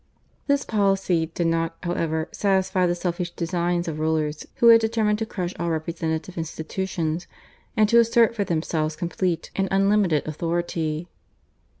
This policy did not, however, satisfy the selfish designs of rulers, who had determined to crush all representative institutions and to assert for themselves complete and unlimited authority.